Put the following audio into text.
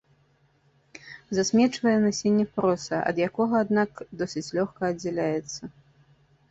Засмечвае насенне проса, ад якога, аднак досыць лёгка аддзяляецца.